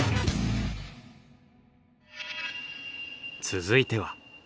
続いては。